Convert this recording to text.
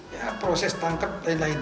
ya proses tangkap dan lain lain